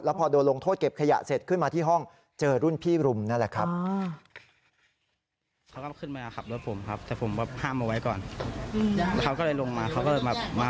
พอโดนลงโทษเก็บขยะเสร็จขึ้นมาที่ห้องเจอรุ่นพี่รุมนั่นแหละครับ